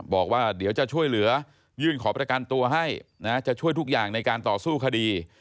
บอกว่าเดี๋ยวจะช่วยเหลือยื่นขอประกันตัวให้นะจะช่วยทุกอย่างในการต่อสู้คดี